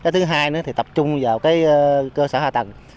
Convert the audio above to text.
thứ hai nữa thì tập trung vào cái cơ sở hà tạng